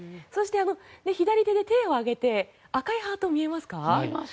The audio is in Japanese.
そして、左手で手を上げて赤いハートが見えますか？